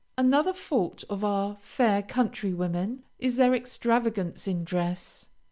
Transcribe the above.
Another fault of our fair countrywomen is their extravagance in dress.